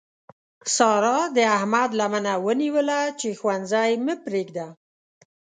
سارا د احمد لمنه ونیوله چې ښوونځی مه پرېږده.